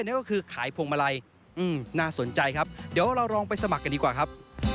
นั่นก็คือขายพวงมาลัยน่าสนใจครับเดี๋ยวเราลองไปสมัครกันดีกว่าครับ